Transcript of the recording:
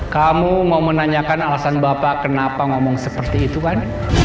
kamu mau menanyakan alasan bapak kenapa ngomong seperti itu kan